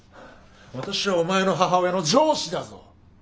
私はお前の母親の上司だぞ？